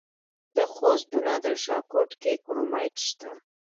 د خوست په نادر شاه کوټ کې کرومایټ شته.